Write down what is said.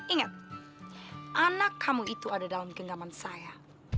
ingat anak kamu itu ada dalam genggaman saya